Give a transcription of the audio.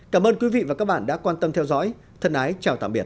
cảm ơn quý vị và các bạn đã quan tâm theo dõi thân ái chào tạm biệt